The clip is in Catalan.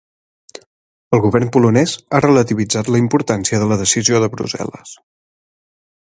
El govern polonès ha relativitzat la importància de la decisió de Brussel·les.